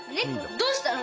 どうしたの？